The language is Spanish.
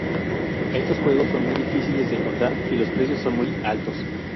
Estos juegos son muy difíciles de encontrar y los precios son muy altos.